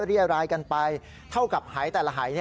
เรียรายกันไปเท่ากับหายแต่ละหาย